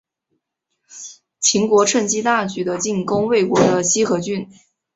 秦国趁机大举的进攻魏国的西河郡。